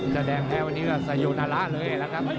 แสดงแท้วันนี้ว่าสยนาระเลยละครับ